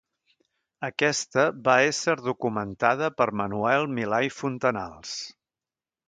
Aquesta va ésser documentada per Manuel Milà i Fontanals.